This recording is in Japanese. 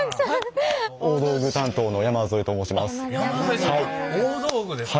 大道具担当の山添と申します。